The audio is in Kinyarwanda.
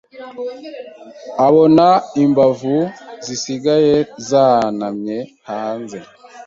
abona imbavu zisigaye zanamye hanze